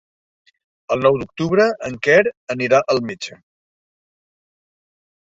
El nou d'octubre en Quer anirà al metge.